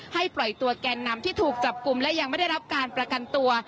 ปล่อยตัวแกนนำที่ถูกจับกลุ่มและยังไม่ได้รับการประกันตัว